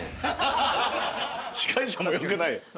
司会者もよくないよ。